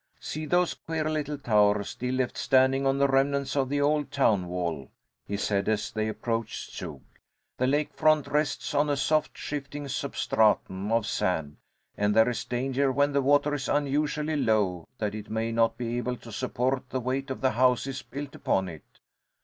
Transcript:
"See those queer little towers still left standing on the remnants of the old town wall," he said as they approached Zug. "The lake front rests on a soft, shifting substratum of sand, and there is danger, when the water is unusually low, that it may not be able to support the weight of the houses built upon it.